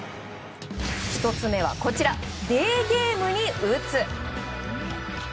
１つ目は、デーゲームに打つ。